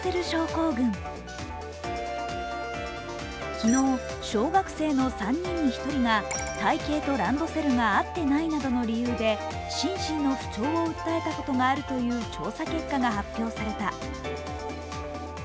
昨日、小学生の３人に１人が体形とランドセルが合っていないなどの理由で心身の不調を訴えたことがあるという調査結果が発表された。